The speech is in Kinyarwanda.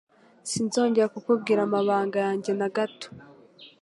Sinzongera kukubwira amabanga yajye nagato.